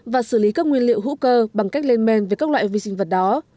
và xử lý các nguyên liệu hữu cơ bằng cách lên men về các loại vi sinh vật đó